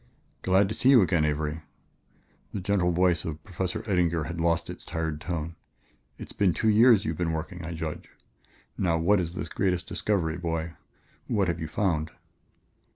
"Glad to see you again, Avery." The gentle voice of Professor Eddinger had lost its tired tone. "It's been two years you've been working, I judge. Now what is this great discovery, boy? What have you found?"